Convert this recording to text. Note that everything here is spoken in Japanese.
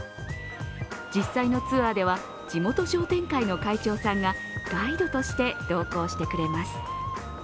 実際のツアーでは地元商店会の会長さんがガイドとして同行してくれます。